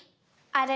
あれ？